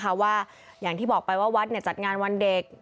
เพราะว่าอย่างที่บอกไปว่าวัดจัดงานวันเด็ก